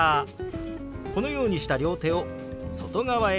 このようにした両手を外側へ動かしますよ。